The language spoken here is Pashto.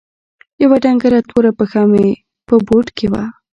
يوه ډنګره توره پښه په بوټ کښې وه.